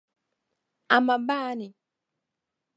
A ma baa ni?